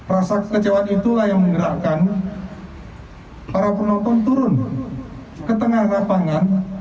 rasa kekecewaan itulah yang menggerakkan para penonton turun ke tengah lapangan